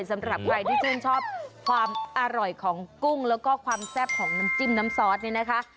สำหรับใครที่ชื่นชอบความอร่อยของกุ้งแล้วก็ความแซ่บของน้ำจิ้มน้ำซอสเนี่ยนะคะ